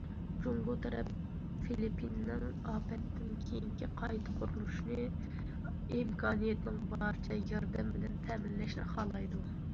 جۇڭگو تەرەپ فىلىپپىننىڭ ئاپەتتىن كېيىنكى قايتا قۇرۇشنى ئىمكانىيەتنىڭ بارىچە ياردەم بىلەن تەمىنلەشنى خالايدۇ.